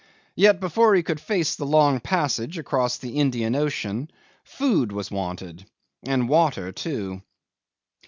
Yet before he could face the long passage across the Indian Ocean food was wanted water too.